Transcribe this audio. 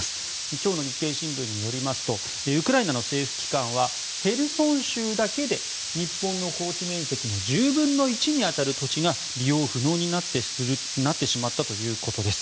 今日の日経新聞によりますとウクライナの政府機関はへルソン州だけで日本の耕地面積の１０分の１に当たる土地が利用不能になってしまったということです。